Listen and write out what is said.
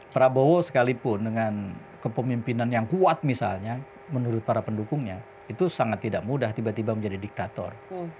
prabowo sekalipun dengan kepemimpinan yang kuat misalnya menurut para pendukungnya itu sangat tidak mudah tiba tiba menjadi diktator